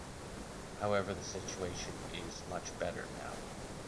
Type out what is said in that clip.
However the situation is much better now.